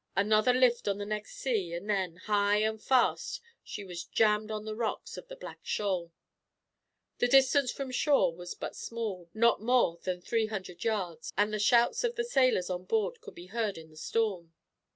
Another lift on the next sea and then, high and fast, she was jammed on the rocks of the Black Shoal. The distance from shore was but small, not more than three hundred yards, and the shouts of the sailors on board could be heard in the storm.